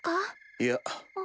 いや。